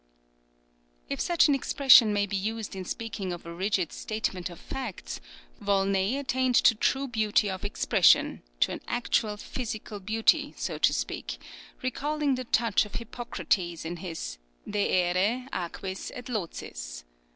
'" If such an expression may be used in speaking of a rigid statement of facts, Volney attained to true beauty of expression to an actual physical beauty, so to speak, recalling the touch of Hippocrates in his "De Aere, Aquis et Locis."